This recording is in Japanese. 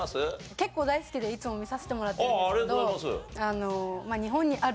結構大好きでいつも見させてもらってるんですけど日本にある？